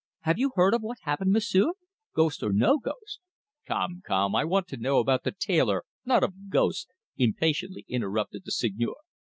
Have you heard of what happened, M'sieu'? Ghost or no ghost " "Come, come, I want to know about the tailor, not of ghosts," impatiently interrupted the Seigneur.